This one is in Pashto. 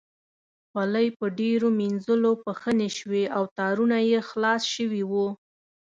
خولۍ په ډېرو مینځلو پښنې شوې او تارونه یې خلاص شوي وو.